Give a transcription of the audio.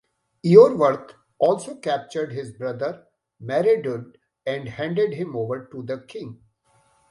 Iorwerth also captured his brother Maredudd and handed him over to the king.